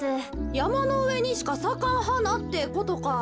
やまのうえにしかさかんはなってことか。